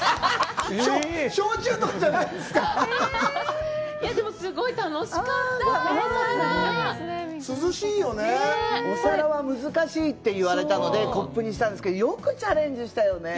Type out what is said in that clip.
焼酎とかじゃないんですかでもすごい楽しかったお皿涼しいよねお皿は難しいって言われたのでコップにしたんですけどよくチャレンジしたよね